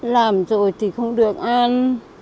làm rồi thì không được ăn